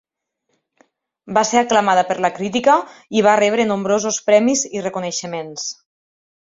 Va ser aclamada per la crítica i va rebre nombrosos premis i reconeixements.